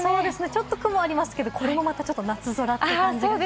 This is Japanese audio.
ちょっと雲がありますが、これがまた夏空という感じですね。